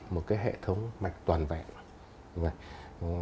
một cái hệ thống mạch toàn vẹn